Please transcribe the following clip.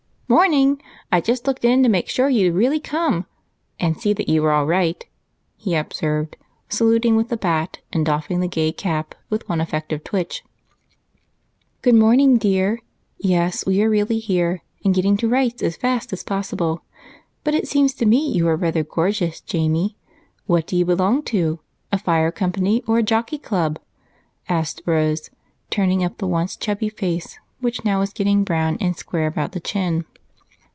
"Morning! I just looked in to make sure you'd really come and see that you were all right," he observed, saluting with bat and doffing the gay cap with one effective twitch. "Good morning, dear. Yes, we really are here, and getting to rights as fast as possible. But it seems to me you are rather gorgeous, Jamie. What do you belong to a fire company or a jockey club?" asked Rose, turning up the once chubby face, which now was getting brown and square about the chin.